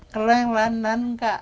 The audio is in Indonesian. keleng landan nggak